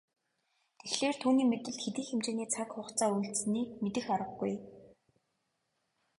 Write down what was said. Тэгэхлээр түүний мэдэлд хэдий хэмжээний цаг хугацаа үлдсэнийг мэдэх аргагүй.